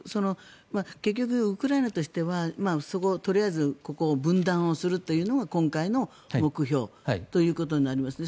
結局、ウクライナとしてはとりあえず分断をするというのが今回の目標ということになりますね。